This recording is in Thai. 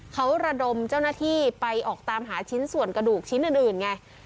เขาระดมเจ้าหน้าที่ไปออกตามหาชิ้นส่วนกระดูกชิ้นอื่นไง